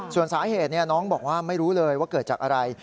ส่วนสาเหตุน้องบอกว่าไม่รู้เลยว่าเกิดจากอะไร